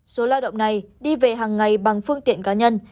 số lao động này đi về hàng ngày bằng phương tiện cá nhân